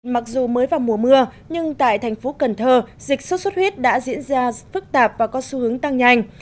mặc dù mới vào mùa mưa nhưng tại thành phố cần thơ dịch sốt xuất huyết đã diễn ra phức tạp và có xu hướng tăng nhanh